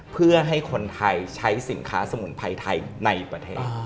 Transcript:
เพื่อให้คนไทยใช้สินค้าสมุนไพรไทยในประเทศ